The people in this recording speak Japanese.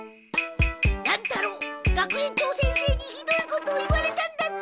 乱太郎学園長先生にひどいことを言われたんだって？